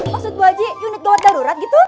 maksud bu haji unit galau darurat gitu